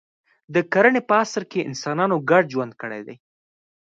د کرنې په عصر کې انسانانو ګډ ژوند کړی دی.